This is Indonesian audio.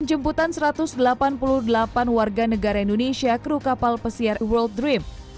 penjemputan satu ratus delapan puluh delapan warga negara indonesia kru kapal pesiar world dream